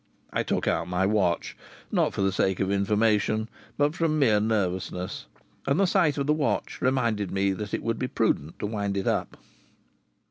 I took out my watch, not for the sake of information, but from mere nervousness, and the sight of the watch reminded me that it would be prudent to wind it up.